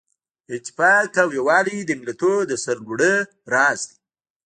اتفاق او یووالی د ملتونو د سرلوړۍ راز دی.